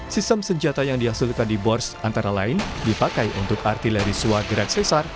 sistem senjata yang dihasilkan di bors antara lain dipakai untuk artilerisua gerak sesar